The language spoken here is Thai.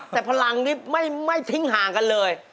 แต่พลังนี้ไม่ทิ้งห่างกันเลย